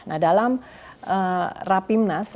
nah dalam rapimnas